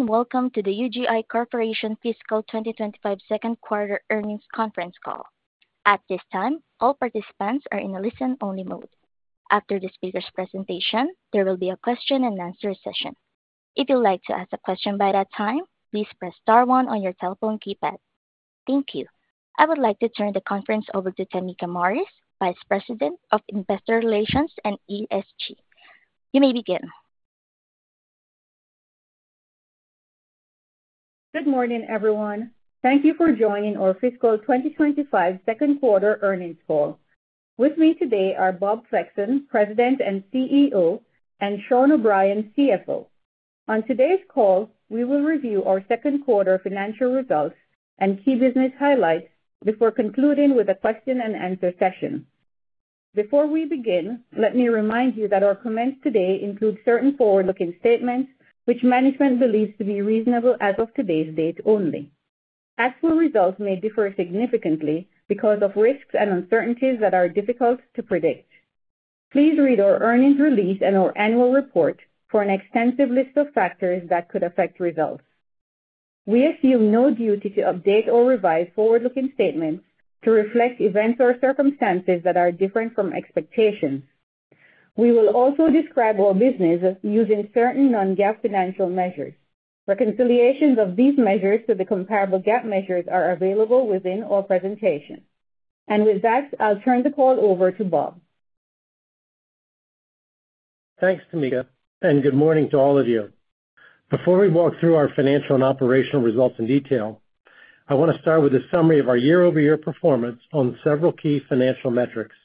Hello and welcome to the UGI Corporation Fiscal 2025 Second Quarter Earnings Conference Call. At this time, all participants are in a listen-only mode. After the speaker's presentation, there will be a question-and-answer session. If you'd like to ask a question by that time, please press star one on your telephone keypad. Thank you. I would like to turn the conference over to Tameka Morris, Vice President of Investor Relations and ESG. You may begin. Good morning, everyone. Thank you for joining our Fiscal 2025 Second Quarter Earnings Call. With me today are Bob Flexon, President and CEO, and Sean O'Brien, CFO. On today's call, we will review our second quarter financial results and key business highlights before concluding with a question-and-answer session. Before we begin, let me remind you that our comments today include certain forward-looking statements which management believes to be reasonable as of today's date only. Actual results may differ significantly because of risks and uncertainties that are difficult to predict. Please read our earnings release and our annual report for an extensive list of factors that could affect results. We assume no duty to update or revise forward-looking statements to reflect events or circumstances that are different from expectations. We will also describe our business using certain non-GAAP financial measures. Reconciliations of these measures to the comparable GAAP measures are available within our presentation. With that, I'll turn the call over to Bob. Thanks, Tameka, and good morning to all of you. Before we walk through our financial and operational results in detail, I want to start with a summary of our year-over-year performance on several key financial metrics.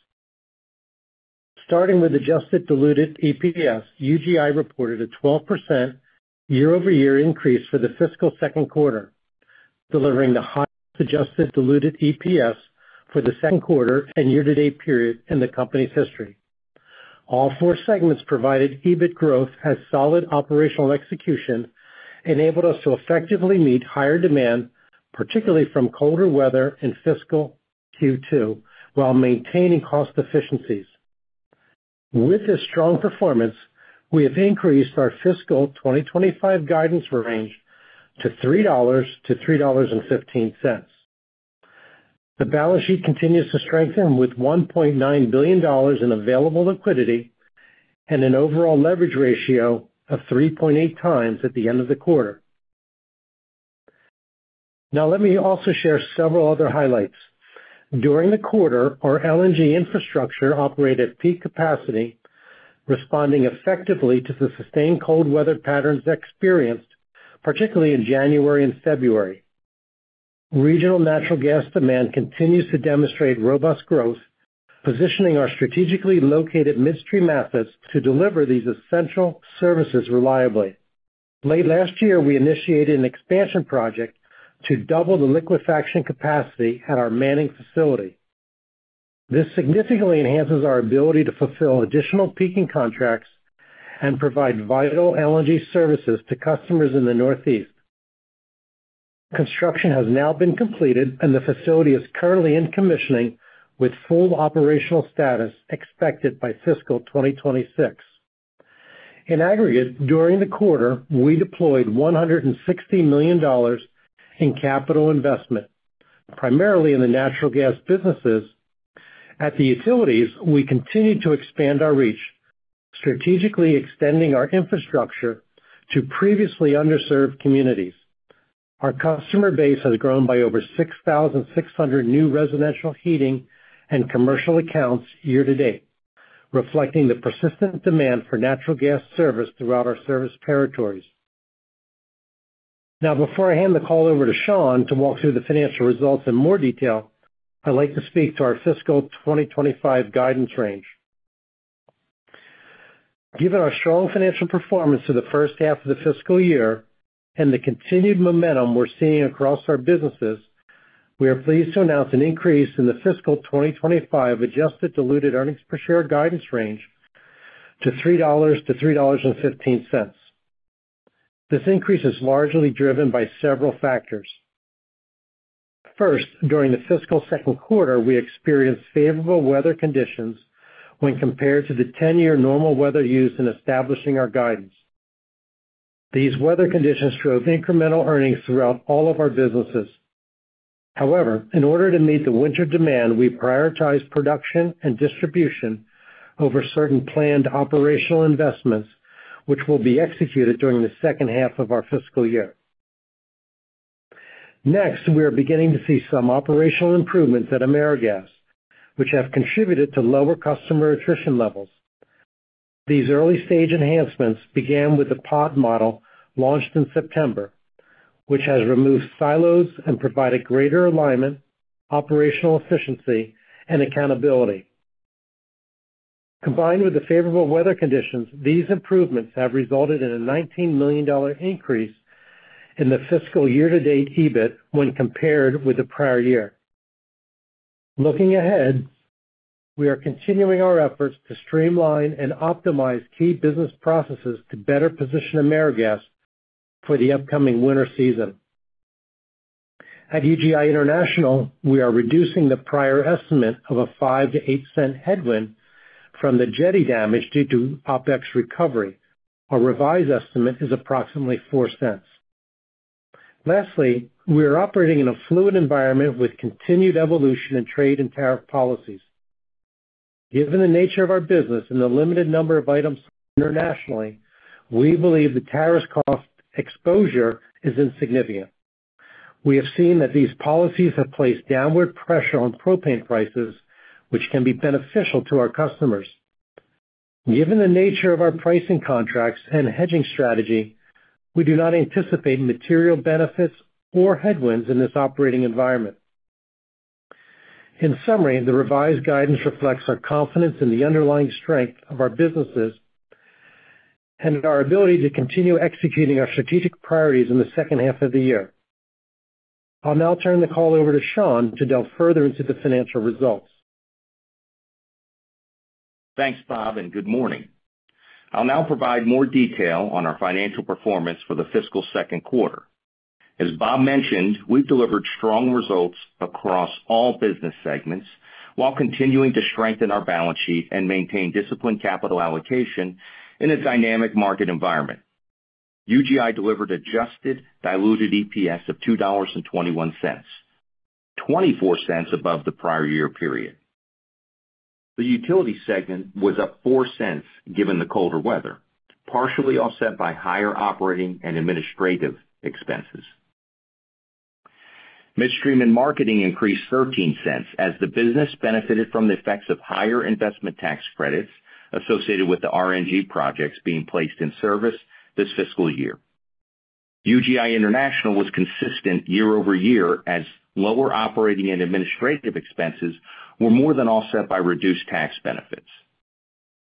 Starting with adjusted diluted EPS, UGI reported a 12% year-over-year increase for the fiscal second quarter, delivering the highest adjusted diluted EPS for the second quarter and year-to-date period in the company's history. All four segments provided EBIT growth as solid operational execution enabled us to effectively meet higher demand, particularly from colder weather in fiscal Q2, while maintaining cost efficiencies. With this strong performance, we have increased our fiscal 2025 guidance range to $3-$3.15. The balance sheet continues to strengthen with $1.9 billion in available liquidity and an overall leverage ratio of 3.8 times at the end of the quarter. Now, let me also share several other highlights. During the quarter, our LNG infrastructure operated at peak capacity, responding effectively to the sustained cold weather patterns experienced, particularly in January and February. Regional natural gas demand continues to demonstrate robust growth, positioning our strategically located midstream assets to deliver these essential services reliably. Late last year, we initiated an expansion project to double the liquefaction capacity at our Manning facility. This significantly enhances our ability to fulfill additional peaking contracts and provide vital LNG services to customers in the Northeast. Construction has now been completed, and the facility is currently in commissioning with full operational status expected by fiscal 2026. In aggregate, during the quarter, we deployed $160 million in capital investment, primarily in the natural gas businesses. At the utilities, we continue to expand our reach, strategically extending our infrastructure to previously underserved communities. Our customer base has grown by over 6,600 new residential heating and commercial accounts year-to-date, reflecting the persistent demand for natural gas service throughout our service territories. Now, before I hand the call over to Sean to walk through the financial results in more detail, I'd like to speak to our fiscal 2025 guidance range. Given our strong financial performance through the first half of the fiscal year and the continued momentum we're seeing across our businesses, we are pleased to announce an increase in the fiscal 2025 adjusted diluted earnings per share guidance range to $3-$3.15. This increase is largely driven by several factors. First, during the fiscal second quarter, we experienced favorable weather conditions when compared to the 10-year normal weather used in establishing our guidance. These weather conditions drove incremental earnings throughout all of our businesses. However, in order to meet the winter demand, we prioritized production and distribution over certain planned operational investments, which will be executed during the second half of our fiscal year. Next, we are beginning to see some operational improvements at AmeriGas, which have contributed to lower customer attrition levels. These early-stage enhancements began with the POD model launched in September, which has removed silos and provided greater alignment, operational efficiency, and accountability. Combined with the favorable weather conditions, these improvements have resulted in a $19 million increase in the fiscal year-to-date EBIT when compared with the prior year. Looking ahead, we are continuing our efforts to streamline and optimize key business processes to better position AmeriGas for the upcoming winter season. At UGI International, we are reducing the prior estimate of a $0.05-$0.08 headwind from the jetty damage due to OpEx recovery. Our revised estimate is approximately $0.04. Lastly, we are operating in a fluid environment with continued evolution in trade and tariff policies. Given the nature of our business and the limited number of items internationally, we believe the tariffs cost exposure is insignificant. We have seen that these policies have placed downward pressure on propane prices, which can be beneficial to our customers. Given the nature of our pricing contracts and hedging strategy, we do not anticipate material benefits or headwinds in this operating environment. In summary, the revised guidance reflects our confidence in the underlying strength of our businesses and our ability to continue executing our strategic priorities in the second half of the year. I'll now turn the call over to Sean to delve further into the financial results. Thanks, Bob, and good morning. I'll now provide more detail on our financial performance for the fiscal second quarter. As Bob mentioned, we've delivered strong results across all business segments while continuing to strengthen our balance sheet and maintain disciplined capital allocation in a dynamic market environment. UGI delivered adjusted diluted EPS of $2.21, $0.24 above the prior year period. The utility segment was up $0.04 given the colder weather, partially offset by higher operating and administrative expenses. Midstream and Marketing increased $0.13 as the business benefited from the effects of higher investment tax credits associated with the RNG projects being placed in service this fiscal year. UGI International was consistent year-over-year as lower operating and administrative expenses were more than offset by reduced tax benefits.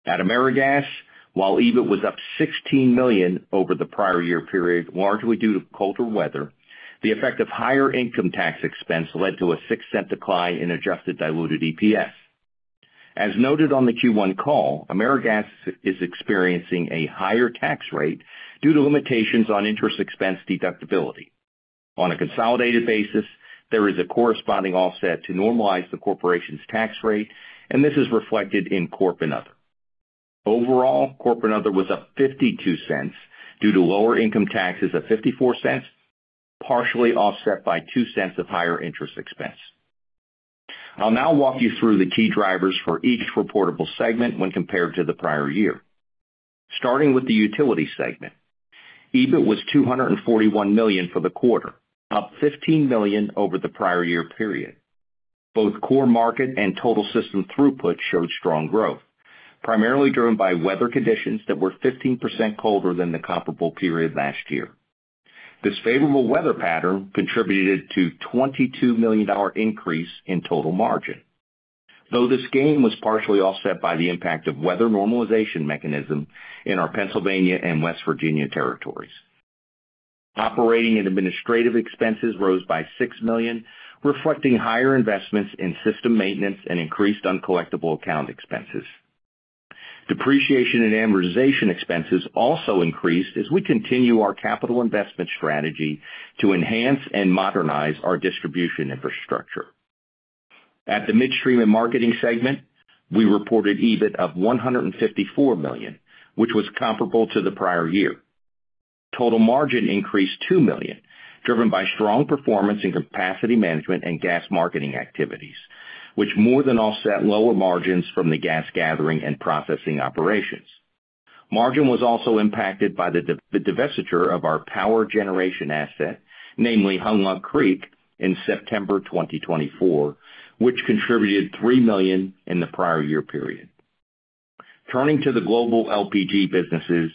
At AmeriGas, while EBIT was up $16 million over the prior year period, largely due to colder weather, the effect of higher income tax expense led to a $0.06 decline in adjusted diluted EPS. As noted on the Q1 call, AmeriGas is experiencing a higher tax rate due to limitations on interest expense deductibility. On a consolidated basis, there is a corresponding offset to normalize the corporation's tax rate, and this is reflected in corp and other. Overall, corp and other was up $0.52 due to lower income taxes of $0.54, partially offset by $0.02 of higher interest expense. I'll now walk you through the key drivers for each reportable segment when compared to the prior year. Starting with the Utility segment, EBIT was $241 million for the quarter, up $15 million over the prior year period. Both core market and total system throughput showed strong growth, primarily driven by weather conditions that were 15% colder than the comparable period last year. This favorable weather pattern contributed to a $22 million increase in total margin, though this gain was partially offset by the impact of the weather normalization mechanism in our Pennsylvania and West Virginia territories. Operating and administrative expenses rose by $6 million, reflecting higher investments in system maintenance and increased uncollectible account expenses. Depreciation and amortization expenses also increased as we continue our capital investment strategy to enhance and modernize our distribution infrastructure. At the Midstream and Marketing segment, we reported EBIT of $154 million, which was comparable to the prior year. Total margin increased $2 million, driven by strong performance in capacity management and gas marketing activities, which more than offset lower margins from the gas gathering and processing operations. Margin was also impacted by the divestiture of our power generation asset, namely Hunlock Creek, in September 2024, which contributed $3 million in the prior year period. Turning to the global LPG businesses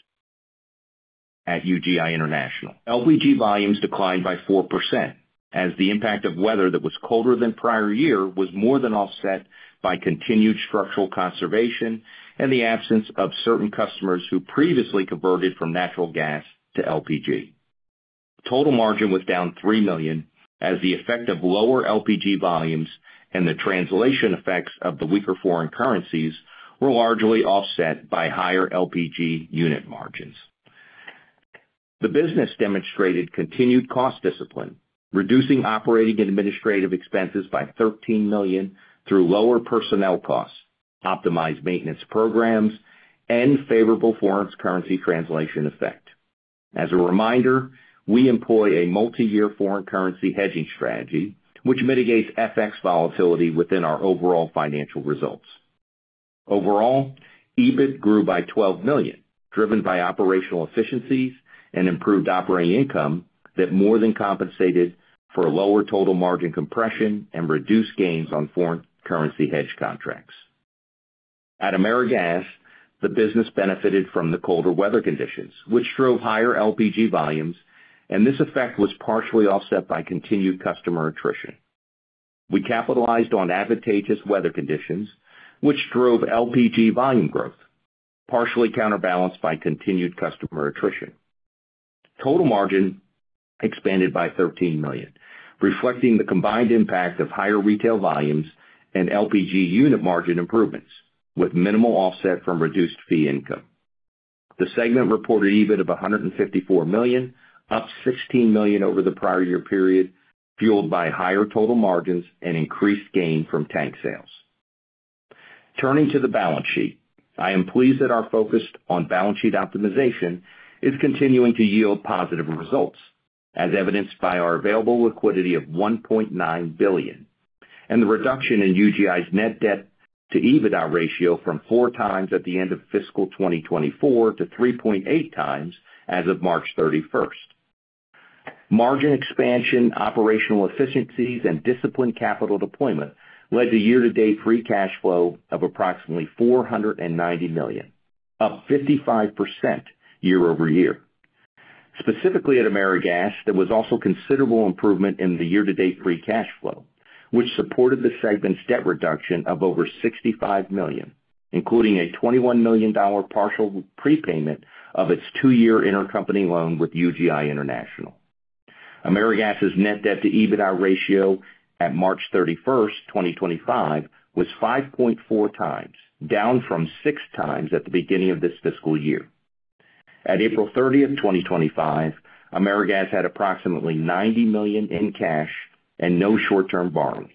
at UGI International, LPG volumes declined by 4% as the impact of weather that was colder than prior year was more than offset by continued structural conservation and the absence of certain customers who previously converted from natural gas to LPG. Total margin was down $3 million as the effect of lower LPG volumes and the translation effects of the weaker foreign currencies were largely offset by higher LPG unit margins. The business demonstrated continued cost discipline, reducing operating and administrative expenses by $13 million through lower personnel costs, optimized maintenance programs, and favorable foreign currency translation effect. As a reminder, we employ a multi-year foreign currency hedging strategy, which mitigates FX volatility within our overall financial results. Overall, EBIT grew by $12 million, driven by operational efficiencies and improved operating income that more than compensated for lower total margin compression and reduced gains on foreign currency hedge contracts. At AmeriGas, the business benefited from the colder weather conditions, which drove higher LPG volumes, and this effect was partially offset by continued customer attrition. We capitalized on advantageous weather conditions, which drove LPG volume growth, partially counterbalanced by continued customer attrition. Total margin expanded by $13 million, reflecting the combined impact of higher retail volumes and LPG unit margin improvements, with minimal offset from reduced fee income. The segment reported EBIT of $154 million, up $16 million over the prior year period, fueled by higher total margins and increased gain from tank sales. Turning to the balance sheet, I am pleased that our focus on balance sheet optimization is continuing to yield positive results, as evidenced by our available liquidity of $1.9 billion and the reduction in UGI's net debt to EBITDA ratio from four times at the end of fiscal 2024 to 3.8 times as of March 31st. Margin expansion, operational efficiencies, and disciplined capital deployment led to year-to-date free cash flow of approximately $490 million, up 55% year-over-year. Specifically at AmeriGas, there was also considerable improvement in the year-to-date free cash flow, which supported the segment's debt reduction of over $65 million, including a $21 million partial prepayment of its two-year intercompany loan with UGI International. AmeriGas's net debt to EBITDA ratio at March 31st, 2025, was 5.4 times, down from six times at the beginning of this fiscal year. At April 30, 2025, AmeriGas had approximately $90 million in cash and no short-term borrowings.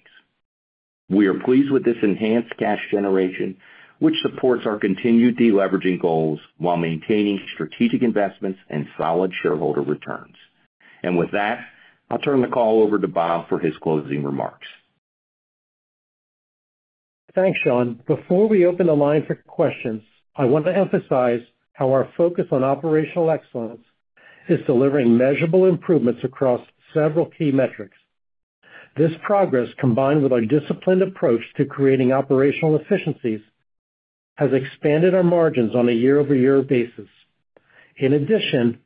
We are pleased with this enhanced cash generation, which supports our continued deleveraging goals while maintaining strategic investments and solid shareholder returns. With that, I'll turn the call over to Bob for his closing remarks. Thanks, Sean. Before we open the line for questions, I want to emphasize how our focus on operational excellence is delivering measurable improvements across several key metrics. This progress, combined with our disciplined approach to creating operational efficiencies, has expanded our margins on a year-over-year basis. In addition,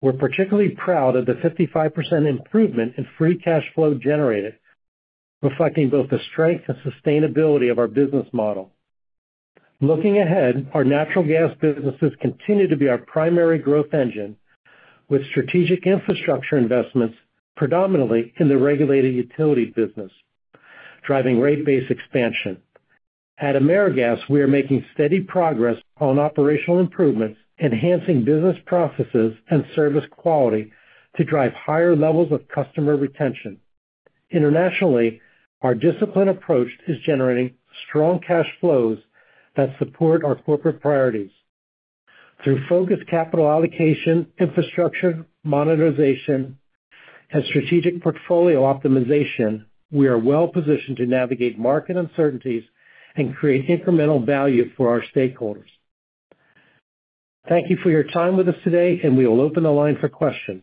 we're particularly proud of the 55% improvement in free cash flow generated, reflecting both the strength and sustainability of our business model. Looking ahead, our natural gas businesses continue to be our primary growth engine, with strategic infrastructure investments predominantly in the regulated utility business, driving rate-based expansion. At AmeriGas, we are making steady progress on operational improvements, enhancing business processes and service quality to drive higher levels of customer retention. Internationally, our disciplined approach is generating strong cash flows that support our corporate priorities. Through focused capital allocation, infrastructure monetization, and strategic portfolio optimization, we are well positioned to navigate market uncertainties and create incremental value for our stakeholders. Thank you for your time with us today, and we will open the line for questions.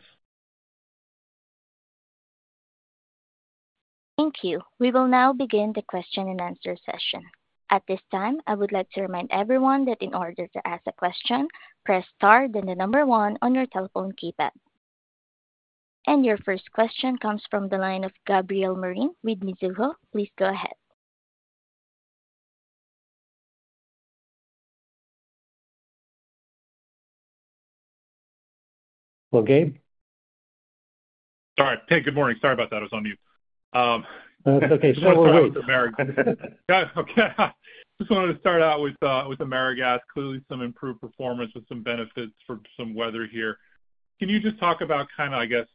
Thank you. We will now begin the question and answer session. At this time, I would like to remind everyone that in order to ask a question, press star then the number one on your telephone keypad. Your first question comes from the line of Gabriel Moreen with Mizuho. Please go ahead. Hello, Gabe? Sorry. Hey, good morning. Sorry about that. I was on mute. That's okay. Just wanted to start out with AmeriGas. Clearly, some improved performance with some benefits from some weather here. Can you just talk about kind of, I guess,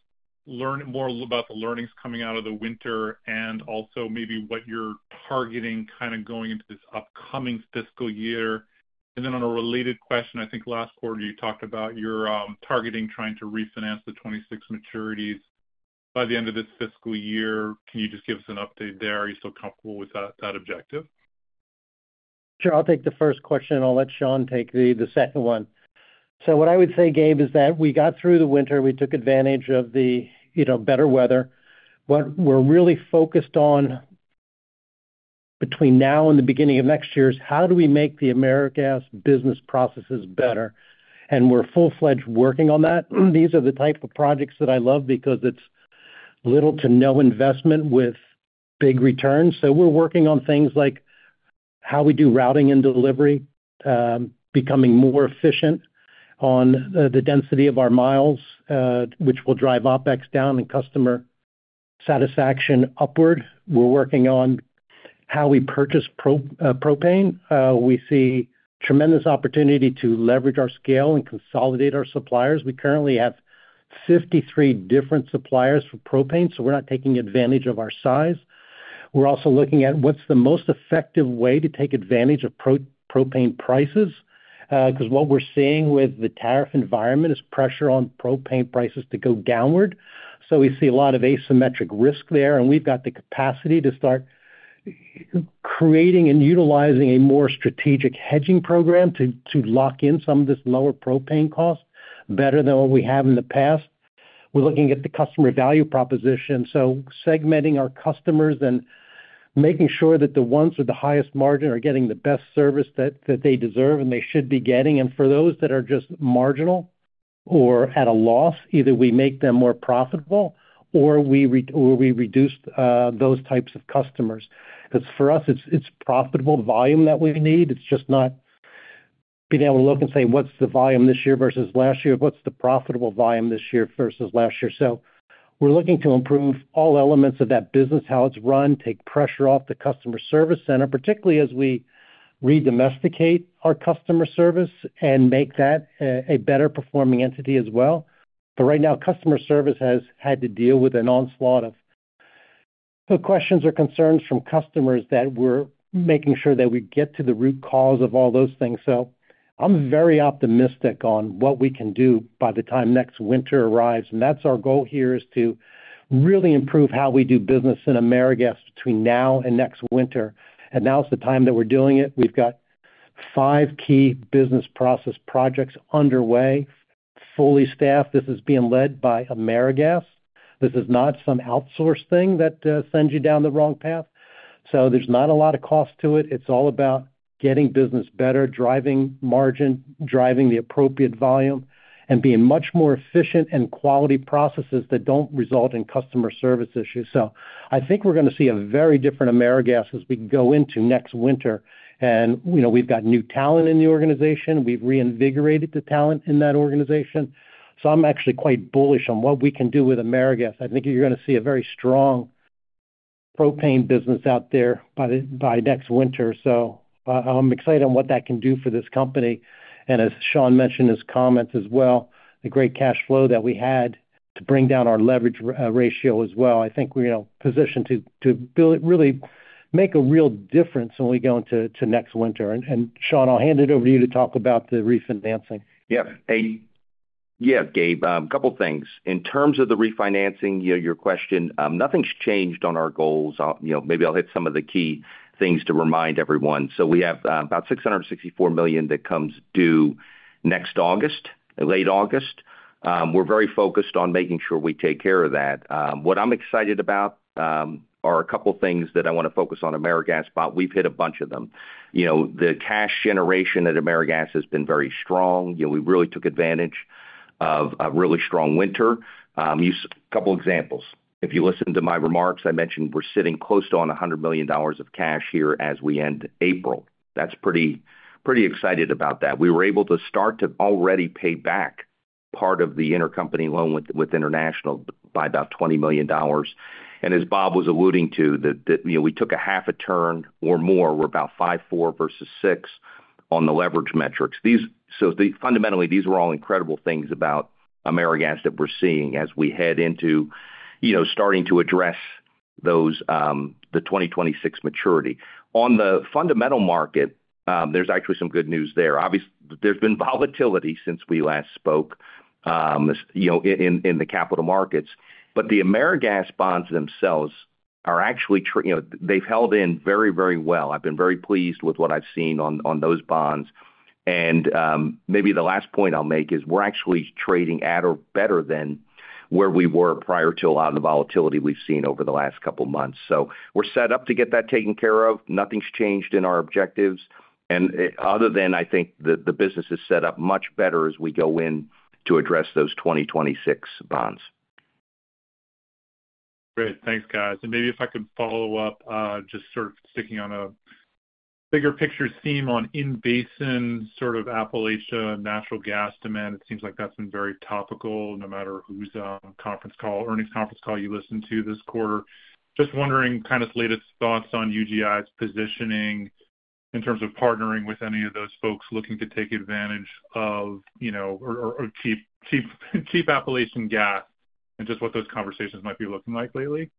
learn more about the learnings coming out of the winter and also maybe what you're targeting kind of going into this upcoming fiscal year? On a related question, I think last quarter you talked about your targeting trying to refinance the 2026 maturities by the end of this fiscal year. Can you just give us an update there? Are you still comfortable with that objective? Sure. I'll take the first question, and I'll let Sean take the second one. What I would say, Gabe, is that we got through the winter. We took advantage of the better weather. What we're really focused on between now and the beginning of next year is how do we make the AmeriGas business processes better. We're full-fledged working on that. These are the type of projects that I love because it's little to no investment with big returns. We're working on things like how we do routing and delivery, becoming more efficient on the density of our miles, which will drive OpEx down and customer satisfaction upward. We're working on how we purchase propane. We see tremendous opportunity to leverage our scale and consolidate our suppliers. We currently have 53 different suppliers for propane, so we're not taking advantage of our size. We're also looking at what's the most effective way to take advantage of propane prices because what we're seeing with the tariff environment is pressure on propane prices to go downward. We see a lot of asymmetric risk there. We've got the capacity to start creating and utilizing a more strategic hedging program to lock in some of this lower propane cost better than what we have in the past. We're looking at the customer value proposition, segmenting our customers and making sure that the ones with the highest margin are getting the best service that they deserve and they should be getting. For those that are just marginal or at a loss, either we make them more profitable or we reduce those types of customers. For us, it's profitable volume that we need. It's just not being able to look and say, "What's the volume this year versus last year? What's the profitable volume this year versus last year?" We are looking to improve all elements of that business, how it's run, take pressure off the customer service center, particularly as we redomesticate our customer service and make that a better-performing entity as well. Right now, customer service has had to deal with an onslaught of questions or concerns from customers that we are making sure that we get to the root cause of all those things. I am very optimistic on what we can do by the time next winter arrives. That is our goal here, to really improve how we do business in AmeriGas between now and next winter. Now is the time that we are doing it. We have five key business process projects underway, fully staffed. This is being led by AmeriGas. This is not some outsourced thing that sends you down the wrong path. There is not a lot of cost to it. It is all about getting business better, driving margin, driving the appropriate volume, and being much more efficient and quality processes that do not result in customer service issues. I think we are going to see a very different AmeriGas as we go into next winter. We have got new talent in the organization. We have reinvigorated the talent in that organization. I am actually quite bullish on what we can do with AmeriGas. I think you are going to see a very strong propane business out there by next winter. I am excited on what that can do for this company. As Sean mentioned in his comments as well, the great cash flow that we had to bring down our leverage ratio as well, I think we're positioned to really make a real difference when we go into next winter. Sean, I'll hand it over to you to talk about the refinancing. Yeah. Yeah, Gabe. A couple of things. In terms of the refinancing, your question, nothing's changed on our goals. Maybe I'll hit some of the key things to remind everyone. We have about $664 million that comes due next August, late August. We're very focused on making sure we take care of that. What I'm excited about are a couple of things that I want to focus on AmeriGas, but we've hit a bunch of them. The cash generation at AmeriGas has been very strong. We really took advantage of a really strong winter. A couple of examples. If you listen to my remarks, I mentioned we're sitting close to $100 million of cash here as we end April. That's pretty excited about that. We were able to start to already pay back part of the intercompany loan with international by about $20 million. As Bob was alluding to, we took a half a turn or more. We're about 5.4 versus six on the leverage metrics. Fundamentally, these are all incredible things about AmeriGas that we're seeing as we head into starting to address the 2026 maturity. On the fundamental market, there's actually some good news there. Obviously, there's been volatility since we last spoke in the capital markets. The AmeriGas bonds themselves are actually, they've held in very, very well. I've been very pleased with what I've seen on those bonds. Maybe the last point I'll make is we're actually trading at or better than where we were prior to a lot of the volatility we've seen over the last couple of months. We're set up to get that taken care of. Nothing's changed in our objectives. Other than that, I think the business is set up much better as we go in to address those 2026 bonds. Great. Thanks, guys. Maybe if I could follow up, just sort of sticking on a bigger picture theme on in basin and sort of Appalachia natural gas demand, it seems like that's been very topical no matter whose conference call, earnings conference call you listen to this quarter. Just wondering kind of latest thoughts on UGI's positioning in terms of partnering with any of those folks looking to take advantage of cheap Appalachian gas and just what those conversations might be looking like lately?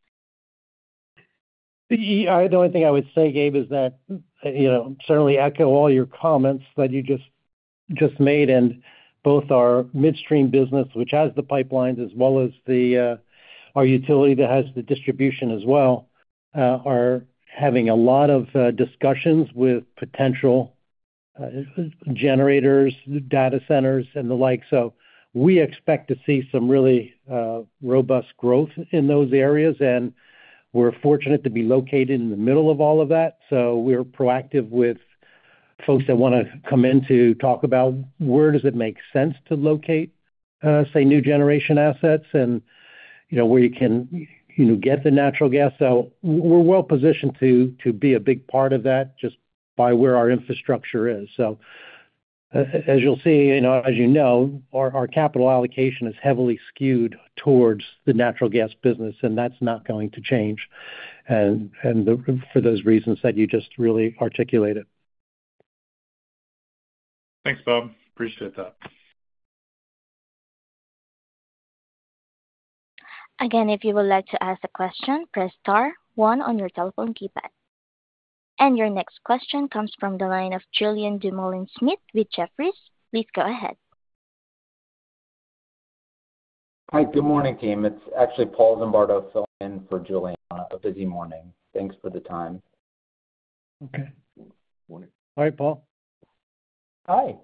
The only thing I would say, Gabe, is that I certainly echo all your comments that you just made. Both our midstream business, which has the pipelines, as well as our utility that has the distribution as well, are having a lot of discussions with potential generators, data centers, and the like. We expect to see some really robust growth in those areas. We are fortunate to be located in the middle of all of that. We are proactive with folks that want to come in to talk about where does it make sense to locate, say, new generation assets and where you can get the natural gas. We are well positioned to be a big part of that just by where our infrastructure is. As you'll see, as you know, our capital allocation is heavily skewed towards the natural gas business, and that's not going to change for those reasons that you just really articulated. Thanks, Bob. Appreciate that. Again, if you would like to ask a question, press star one on your telephone keypad. Your next question comes from the line of Julien Dumoulin-Smith with Jefferies. Please go ahead. Hi, good morning, Gabe. It's actually Paul Zimbardo filling in for Julian on a busy morning. Thanks for the time. Okay. Morning. All right, Paul. Hi.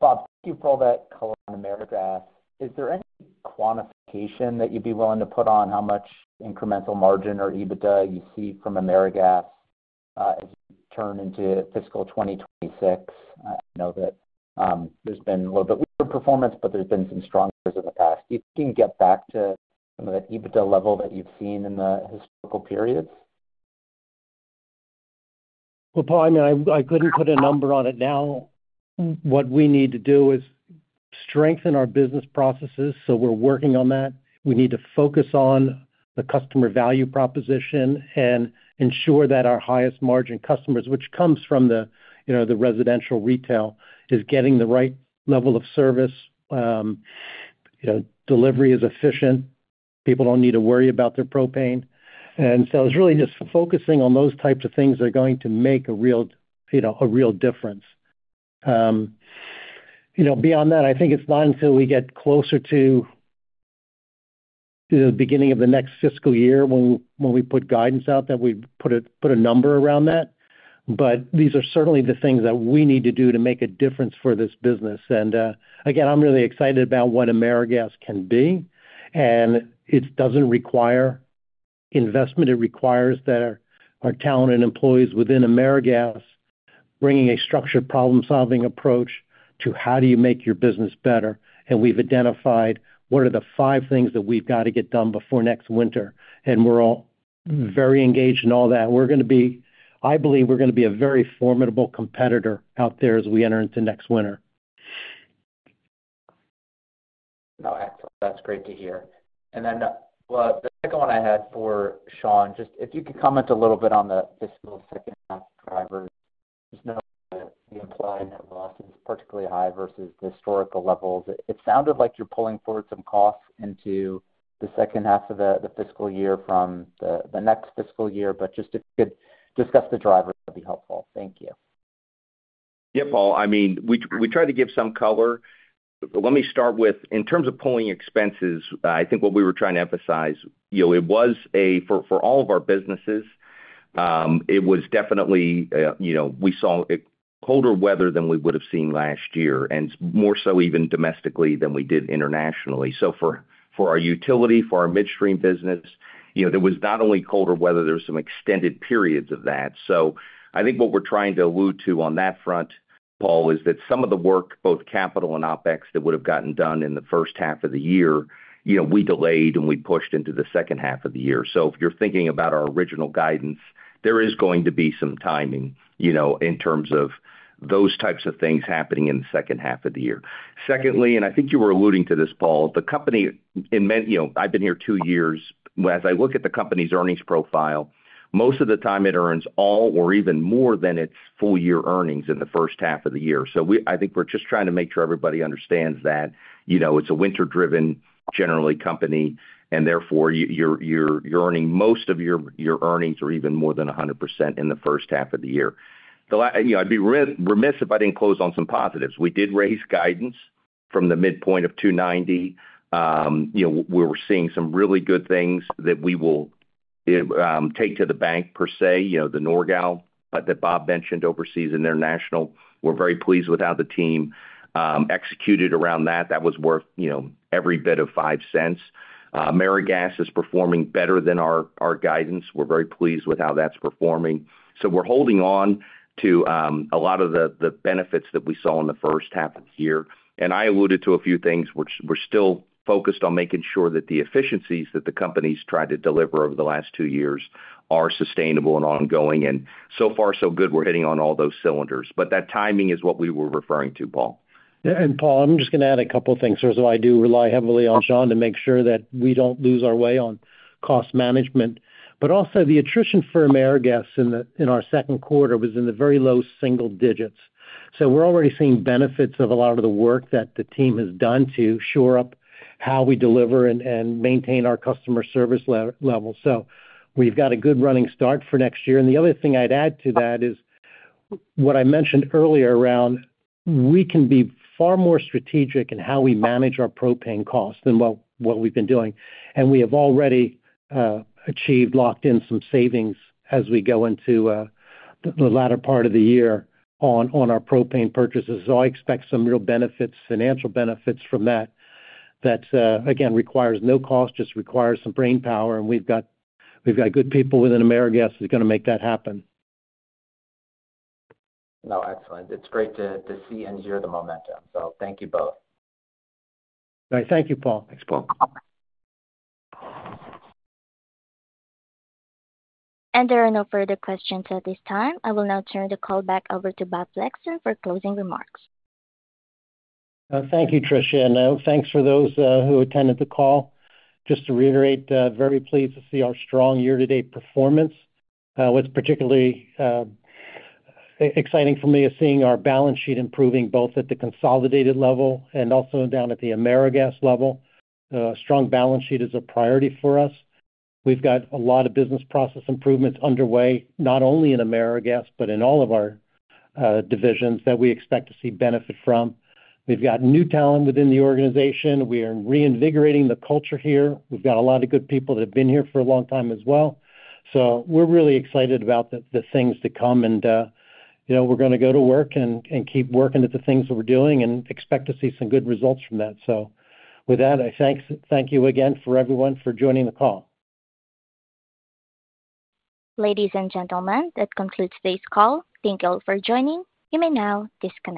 Bob, thank you for all that color on AmeriGas. Is there any quantification that you'd be willing to put on? How much incremental margin or EBITDA you see from AmeriGas as you turn into fiscal 2026? I know that there's been a little bit weaker performance, but there's been some strong years in the past. Do you think you can get back to some of that EBITDA level that you've seen in the historical periods? Paul, I mean, I couldn't put a number on it now. What we need to do is strengthen our business processes. We are working on that. We need to focus on the customer value proposition and ensure that our highest margin customers, which comes from the residential retail, are getting the right level of service. Delivery is efficient. People don't need to worry about their propane. It is really just focusing on those types of things that are going to make a real difference. Beyond that, I think it's not until we get closer to the beginning of the next fiscal year when we put guidance out that we put a number around that. These are certainly the things that we need to do to make a difference for this business. I am really excited about what AmeriGas can be. It does not require investment. It requires that our talent and employees within AmeriGas bring a structured problem-solving approach to how do you make your business better. We have identified what are the five things that we have got to get done before next winter. We are all very engaged in all that. I believe we are going to be a very formidable competitor out there as we enter into next winter. No, excellent. That's great to hear. The second one I had for Sean, just if you could comment a little bit on the fiscal second-half drivers, just knowing that the implied net loss is particularly high versus the historical levels. It sounded like you're pulling forward some costs into the second half of the fiscal year from the next fiscal year. Just if you could discuss the drivers, that'd be helpful. Thank you. Yeah, Paul. I mean, we tried to give some color. Let me start with, in terms of pulling expenses, I think what we were trying to emphasize, it was for all of our businesses, it was definitely we saw colder weather than we would have seen last year, and more so even domestically than we did internationally. For our utility, for our midstream business, there was not only colder weather, there were some extended periods of that. I think what we're trying to allude to on that front, Paul, is that some of the work, both capital and OpEx, that would have gotten done in the first half of the year, we delayed and we pushed into the second half of the year. If you're thinking about our original guidance, there is going to be some timing in terms of those types of things happening in the second half of the year. Secondly, and I think you were alluding to this, Paul, the company and I've been here two years. As I look at the company's earnings profile, most of the time it earns all or even more than its full-year earnings in the first half of the year. I think we're just trying to make sure everybody understands that it's a winter-driven generally company, and therefore you're earning most of your earnings or even more than 100% in the first half of the year. I'd be remiss if I didn't close on some positives. We did raise guidance from the midpoint of $290 million. We were seeing some really good things that we will take to the bank, per se, the normal that Bob mentioned overseas in international. We're very pleased with how the team executed around that. That was worth every bit of $0.05. AmeriGas is performing better than our guidance. We're very pleased with how that's performing. We're holding on to a lot of the benefits that we saw in the first half of the year. I alluded to a few things. We're still focused on making sure that the efficiencies that the companies tried to deliver over the last two years are sustainable and ongoing. So far, so good, we're hitting on all those cylinders. That timing is what we were referring to, Paul. Paul, I'm just going to add a couple of things. First of all, I do rely heavily on Sean to make sure that we do not lose our way on cost management. Also, the attrition for AmeriGas in our second quarter was in the very low single digits. We are already seeing benefits of a lot of the work that the team has done to shore up how we deliver and maintain our customer service level. We have a good running start for next year. The other thing I would add to that is what I mentioned earlier around being far more strategic in how we manage our propane costs than what we have been doing. We have already achieved, locked in some savings as we go into the latter part of the year on our propane purchases. I expect some real benefits, financial benefits from that that, again, requires no cost, just requires some brain power. And we've got good people within AmeriGas who's going to make that happen. No, excellent. It's great to see and hear the momentum. So thank you both. All right. Thank you, Paul. Thanks, Paul. There are no further questions at this time. I will now turn the call back over to Bob Flexon for closing remarks. Thank you, Tricia. Thank you for those who attended the call. Just to reiterate, very pleased to see our strong year-to-date performance. What's particularly exciting for me is seeing our balance sheet improving both at the consolidated level and also down at the AmeriGas level. A strong balance sheet is a priority for us. We've got a lot of business process improvements underway, not only in AmeriGas, but in all of our divisions that we expect to see benefit from. We've got new talent within the organization. We are reinvigorating the culture here. We've got a lot of good people that have been here for a long time as well. We are really excited about the things to come. We are going to go to work and keep working at the things that we're doing and expect to see some good results from that. With that, I thank you again for everyone for joining the call. Ladies and gentlemen, that concludes today's call. Thank you all for joining. You may now disconnect.